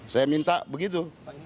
saya minta begitu